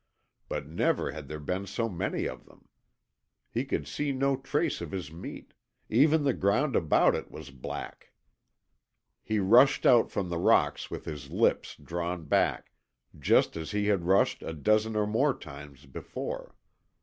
But never had there been so many of them. He could see no trace of his meat. Even the ground about it was black. He rushed out from the rocks with his lips drawn back, just as he had rushed a dozen or more times before.